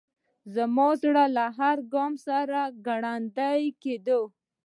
زما زړه له هر ګام سره ګړندی کېده.